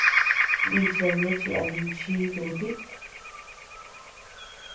Nichid nichi a ninchii dutit.